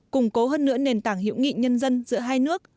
củng cố hơn nữa nền tảng hữu nghị nhân dân giữa hai nước